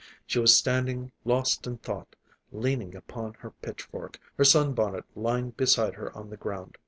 She was standing lost in thought, leaning upon her pitchfork, her sunbonnet lying beside her on the ground.